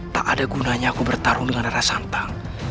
tak ada gunanya aku bertarung dengan arah santang